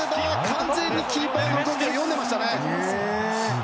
完全にキーパーの動きを読んでいました。